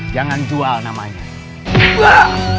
jangan jual namanya